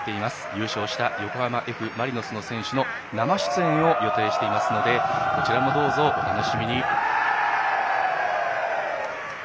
優勝した横浜Ｆ・マリノスの選手の生出演を予定していますのでこちらもどうぞお楽しみに。